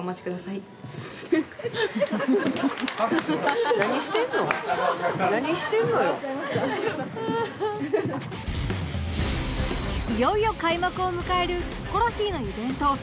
いよいよ開幕を迎える『キョコロヒー』のイベント